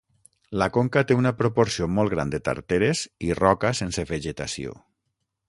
La conca té una proporció molt gran de tarteres i roca sense vegetació.